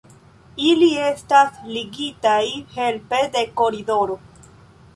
Ili estas ligitaj helpe de koridoro.